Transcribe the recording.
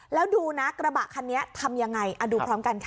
แล้วดูนะกระบะคันนี้ทำยังไงดูพร้อมกันค่ะ